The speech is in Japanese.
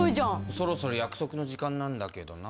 そろそろ約束の時間なんだけどな。